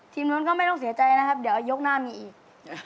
นู้นก็ไม่ต้องเสียใจนะครับเดี๋ยวยกหน้ามีอีก